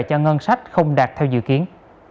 cho ngân sách không đạt theo dự kiến